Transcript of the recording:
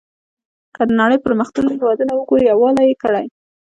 که د نړۍ پرمختللي هېوادونه وګورو یووالی یې کړی.